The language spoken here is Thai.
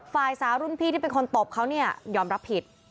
ฝ่ายสาวรุ่นพี่ที่เป็นคนตบเขาเนี่ยยอมรับผิด